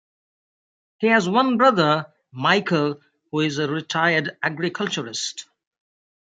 He has one brother, Michael, who is a retired agriculturist.